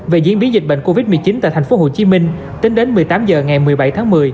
về diễn biến dịch bệnh covid một mươi chín tại tp hcm tính đến một mươi tám h ngày một mươi bảy tháng một mươi